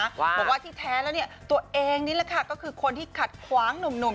บอกว่าที่แท้แล้วเนี่ยตัวเองนี่แหละค่ะก็คือคนที่ขัดขวางหนุ่ม